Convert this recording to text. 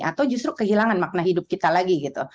atau justru kehilangan makna hidup kita lagi gitu